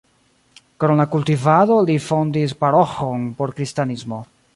Krom la kultivado li fondis paroĥon por kristanismo.